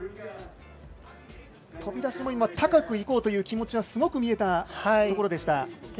飛び出しも高くいこうという気持ちはすごく見えたところ。